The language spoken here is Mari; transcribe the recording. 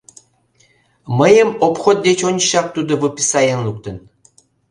Мыйым обход деч ончычак тудо выписаен луктын.